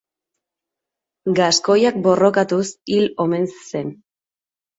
Gaskoiak borrokatuz hil omen zen.